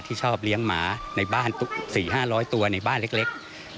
ชอบเลี้ยงหมาในบ้าน๔๕๐๐ตัวในบ้านเล็ก